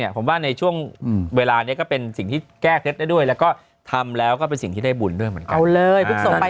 ผมไม่ได้ขายตั๋วข้างบินด้วย